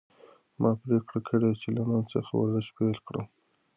ما پریکړه کړې چې له نن څخه ورزش پیل کړم.